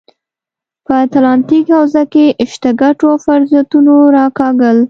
په اتلانتیک حوزه کې شته ګټو او فرصتونو راکاږل.